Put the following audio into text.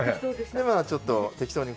まあちょっと適当に